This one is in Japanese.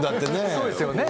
そうですよね。